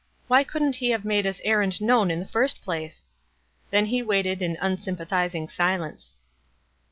Why couldn't he have made his errand known in the first place?" Then he waited in unsympathizing silence.